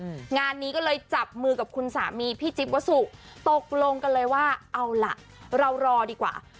งานนี้ก็เลยจับมือกับคุณสามีพี่จิ๊บวัสสุตกลงกันเลยว่าเอาล่ะเรารอดีกว่า